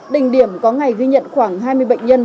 đỉnh điểm có ngày ghi nhận khoảng hai mươi bệnh nhân